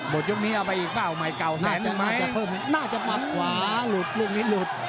บทยุคนี้เอาไปอีกเปล่าใหม่เก่าแสนน่าจะมัดขวาหลุดลูกนี้หลุด